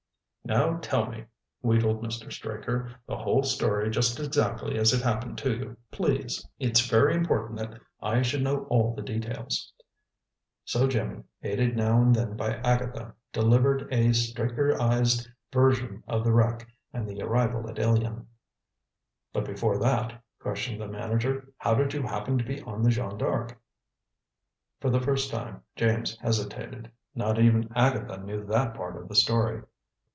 "Now, tell me," wheedled Mr. Straker, "the whole story just exactly as it happened to you, please. It's very important that I should know all the details." So Jimmy, aided now and then by Agatha, delivered a Straker ized version of the wreck and the arrival at Ilion. "But before that," questioned the manager. "How did you happen to be on the Jeanne D'Arc?" For the first time James hesitated. Not even Agatha knew that part of the story.